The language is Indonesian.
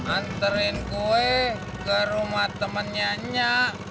anterin gue ke rumah temennya nya